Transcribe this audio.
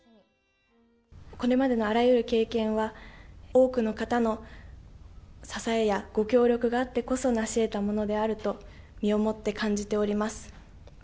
これまでのあらゆる経験は、多くの方の支えやご協力があってこそ成しえたものであると、身をもって感じております。